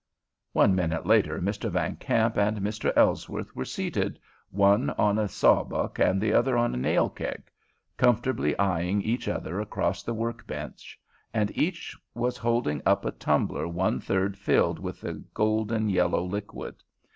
One minute later Mr. Van Kamp and Mr. Ellsworth were seated, one on a sawbuck and the other on a nail keg, comfortably eyeing each other across the work bench, and each was holding up a tumbler one third filled with the golden yellow liquid.